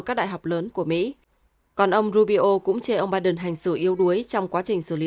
các đại học lớn của mỹ còn ông rubio cũng chê ông biden hành xử yêu đuối trong quá trình xử lý